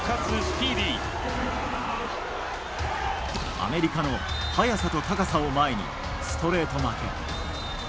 アメリカの速さと高さを前にストレート負け。